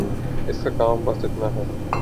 اس کا کام بس اتنا ہے۔